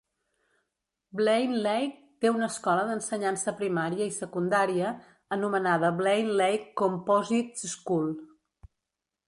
Blaine Lake té una escola d'ensenyança primària i secundària anomenada Blaine Lake Composite School.